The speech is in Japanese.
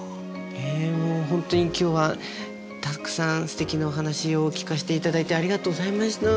本当に今日はたくさんすてきなお話を聞かせていただいてありがとうございました。